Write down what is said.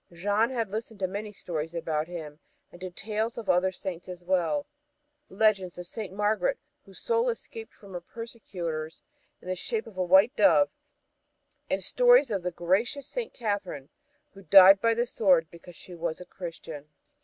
Jeanne had listened to many stories about him, and to tales of other Saints as well legends of St. Margaret, whose soul escaped from her persecutors in the shape of a white dove, and stories of the gracious St. Catherine, who died by the sword because she was a Christian.